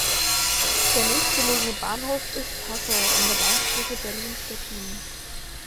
Der nächstgelegene Bahnhof ist "Passow" an der Bahnstrecke Berlin-Stettin.